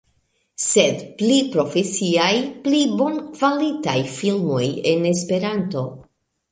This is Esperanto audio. Sed pli profesiaj, pli bonkvalitaj filmoj en Esperanto